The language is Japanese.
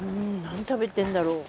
何食べてんだろう。